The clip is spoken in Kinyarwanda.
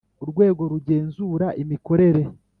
Urwego rugenzura imikorere